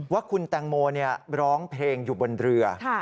ว่าคุณแตงโมร้องเพลงอยู่บนเรือ